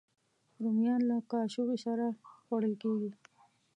رومیان له کاچوغې سره خوړل کېږي